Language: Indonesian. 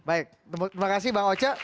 baik terima kasih bang oce